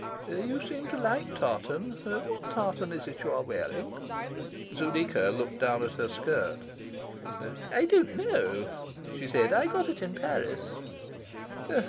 You seem to like tartan. What tartan is it you are wearing?" Zuleika looked down at her skirt. "I don't know," she said. "I got it in Paris."